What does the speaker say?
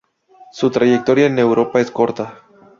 Su trayectoria en Europa es corta.